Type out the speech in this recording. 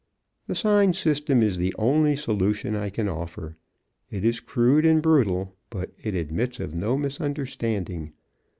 The sign system is the only solution I can offer. It is crude and brutal, but it admits of no misunderstanding.